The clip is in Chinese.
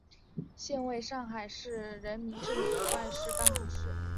现为上海市人民政府外事办公室。